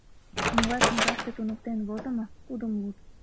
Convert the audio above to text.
Могай книгаште туныктен возымо — тудым луд.